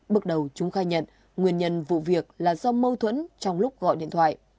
bước đầu chúng khai nhận nguyên nhân vụ việc là do mâu thuẫn trong lúc gọi điện thoại